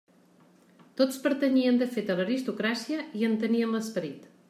Tots pertanyien de fet a l'aristocràcia, i en tenien l'esperit.